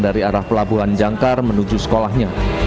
dari arah pelabuhan jangkar menuju sekolahnya